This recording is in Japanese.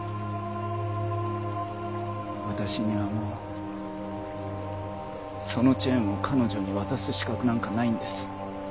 私にはもうそのチェーンを彼女に渡す資格なんかないんです。